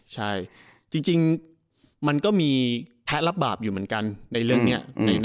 ใช่จริงมันก็มีแพ้รับบาปอยู่เหมือนกันในเรื่องนี้